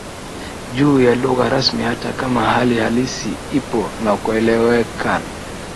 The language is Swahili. juu ya lugha rasmi hata kama hali halisi ipo na kuelewekan